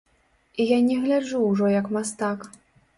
І я не гляджу ўжо як мастак.